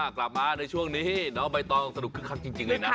กลับมาในช่วงนี้ไม่ต้องสนุกครึ่งครั้งจริงเลยนะ